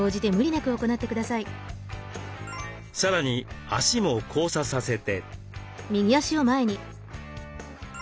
さらに足も交差させて。